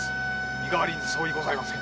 身代わりに相違ございません。